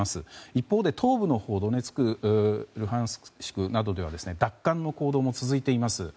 一方で、東部のドネツクやルハンシクなどでは奪還の報道も続いています。